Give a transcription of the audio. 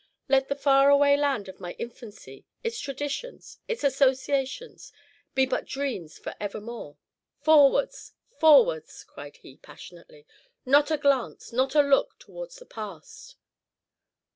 Let the faraway land of my infancy, its traditions, its associations, be but dreams for evermore. Forwards! forwards!" cried he, passionately; "not a glance, not a look, towards the past."